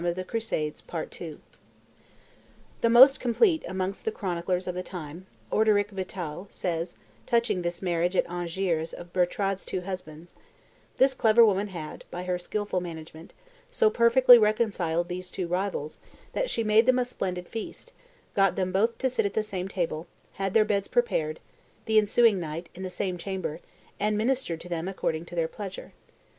And the king granted their request." The most complete amongst the chroniclers of the time, Orderic Vital, says, touching this meeting at Angers of Bertrade's two husbands, "This clever woman had, by her skilful management, so perfectly reconciled these two rivals, that she made them a splendid feast, got them both to sit at the same table, had their beds prepared, the ensuing night, in the same chamber, and ministered to them according to their pleasure."